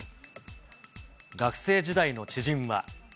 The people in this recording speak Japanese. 学生時代の知人は。